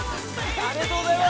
◆ありがとうございます。